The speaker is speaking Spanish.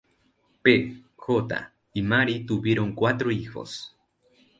P. J. y Mary tuvieron cuatro hijos.